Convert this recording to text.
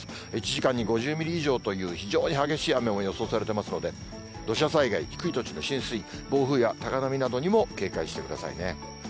１時間に５０ミリ以上という、非常に激しい雨も予想されてますので、土砂災害、低い土地の浸水、暴風や高波などにも警戒してくださいね。